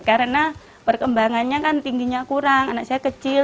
karena perkembangannya kan tingginya kurang anak saya kecil